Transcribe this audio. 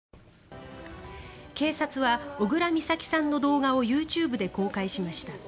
警察は小倉美咲さんの動画をＹｏｕＴｕｂｅで公開しました。